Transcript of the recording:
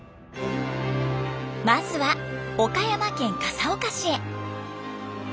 まずは岡山県笠岡市へ。